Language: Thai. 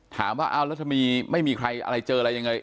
ถามว่าเอาแล้วทำไมไม่มีใครอะไรเจออะไรยังไง